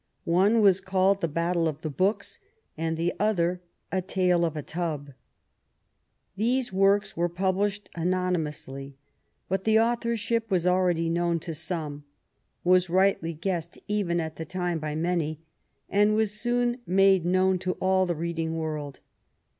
One was called The Battle of the Books and the other A Tale of a Tub. These works were published anonymously, but the authorship was already known to some — was rightly guessed even at the time by many, and was soon made known to all the reading world.